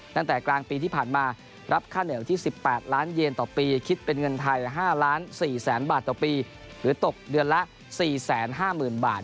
ตั้งแต่กลางปีที่ผ่านมารับค่าเหนียวที่๑๘ล้านเยนต่อปีคิดเป็นเงินไทย๕๔๐๐๐บาทต่อปีหรือตกเดือนละ๔๕๐๐๐บาท